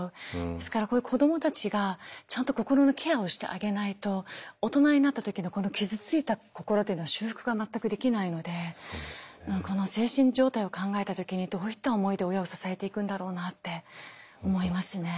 ですからこういう子どもたちがちゃんと心のケアをしてあげないと大人になった時のこの傷ついた心というのは修復が全くできないのでこの精神状態を考えた時にどういった思いで親を支えていくんだろうなって思いますね。